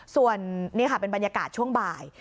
ส่วนนี่ค่ะเป็นบรรยากาศช่วงบ่าย